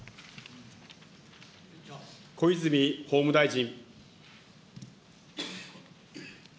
小泉法務大臣。